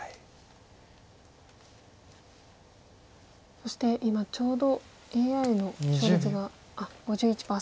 そして今ちょうどＡＩの表示があっ５１％ですね。